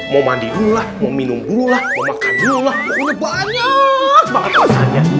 mau mandi dulu lah mau minum dulu lah mau makan dulu lah mau minum banyak banget alasannya